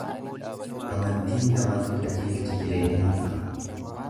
Amantiin namaaf qajeelcha jireenyaa ta’a.